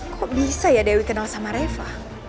kok bisa ya dewi kenal sama reva